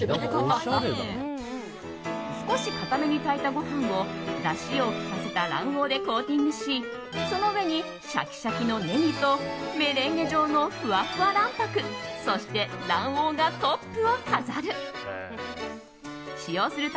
少し硬めに炊いたご飯をだしを利かせた卵黄でコーティングしその上にシャキシャキのネギとメレンゲ状のふわふわ卵白そして、卵黄がトップを飾る。